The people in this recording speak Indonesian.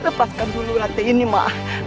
lepaskan dulu ratenya ini ma